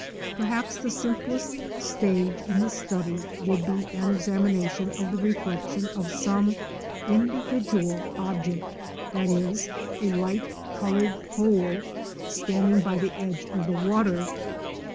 Perhaps the simplest stage in the study would be an examination of the reflection of some individual object, e.g. a light coloured pole standing by the edge of the water.